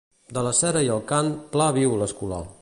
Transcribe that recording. De la cera i el cant pla viu l'escolà.